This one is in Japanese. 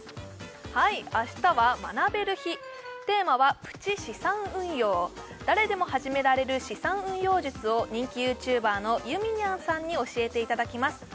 はい明日は学べる日テーマはプチ資産運用誰でも始められる資産運用術を人気ＹｏｕＴｕｂｅｒのゆみにゃんさんに教えていただきます